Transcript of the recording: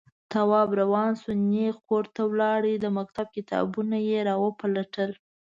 تواب روان شو، نېغ کور ته لاړ، د مکتب کتابونه يې راوپلټل.